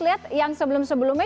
lihat yang sebelum sebelumnya